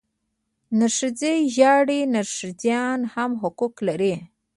نرښځی ژاړي، نرښځيان هم حقوق لري.